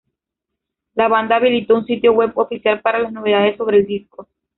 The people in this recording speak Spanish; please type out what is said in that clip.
La banda habilitó un sitio web oficial para las novedades sobre el disco.